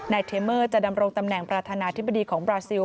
เทเมอร์จะดำรงตำแหน่งประธานาธิบดีของบราซิล